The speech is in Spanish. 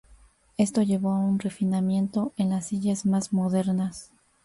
Esto llevó a un refinamiento en las sillas más modernas.